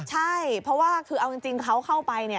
ใช่เพราะว่าคือเอาจริงเขาเข้าไป